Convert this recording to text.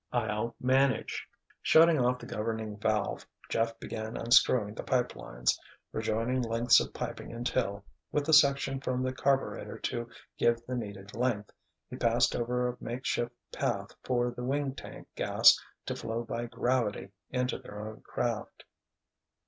I'll manage." Shutting off the governing valve, Jeff began unscrewing the pipe lines, rejoining lengths of piping until, with a section from the carburetor to give the needed length, he passed over a makeshift path for the wing tank gas to flow by gravity into their own craft.